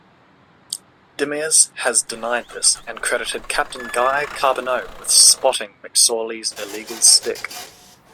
Demers has denied this and credited captain Guy Carbonneau with spotting McSorley's illegal stick.